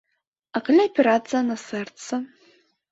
А калі аперацыя на сэрца?